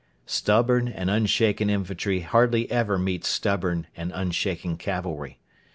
Stubborn and unshaken infantry hardly ever meet stubborn and unshaken cavalry.